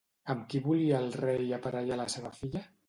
Amb qui volia el rei aparellar la seva filla?